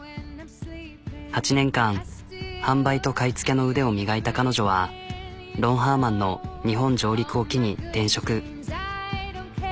８年間販売と買い付けの腕を磨いた彼女はロンハーマンの日本上陸を機に転職。